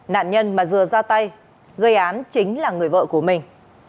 nạn nhân mà dừa ra tay gây án chính là người vợ của mình